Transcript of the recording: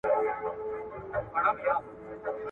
زه درڅخه ځمه ته اوږدې شپې زنګوه ورته.